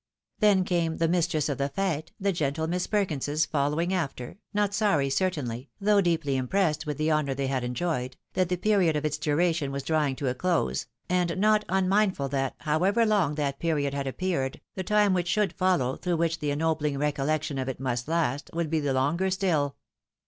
Then came the mistress of the /eie, the gentle Miss Perkinses following after, not sorry, certainly (though deeply impressed with the honour they had enjoyed), that the period of its duration was drawing to a close, and not unmind ful that, however long that period had appeared, the time which should follow, through which the ennobhng recollection of it must last, would be the longer still.